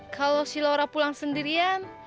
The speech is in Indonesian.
kalau si laura pulang sendirian